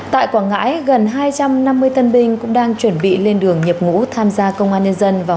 tại quảng ngãi gần hai trăm năm mươi tân binh cũng đang chuẩn bị lên đường nhập ngũ tham gia công an nhân dân